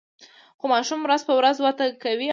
خو ماشوم ورځ په ورځ وده کوي او غټیږي.